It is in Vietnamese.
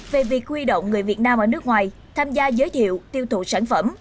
về việc huy động người việt nam ở nước ngoài tham gia giới thiệu tiêu thụ sản phẩm